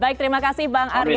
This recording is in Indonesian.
baik terima kasih bang arya